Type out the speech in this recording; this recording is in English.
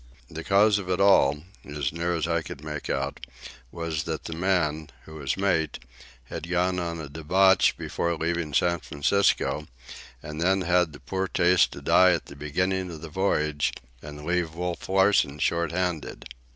The cause of it all, as near as I could make out, was that the man, who was mate, had gone on a debauch before leaving San Francisco, and then had the poor taste to die at the beginning of the voyage and leave Wolf Larsen short handed.